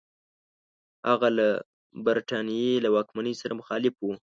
هغه له برټانیې له واکمنۍ سره مخالف وو.